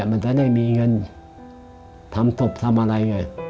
มันจะได้มีเงินทำศพทำอะไรไง